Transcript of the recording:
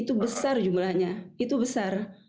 itu besar jumlahnya itu besar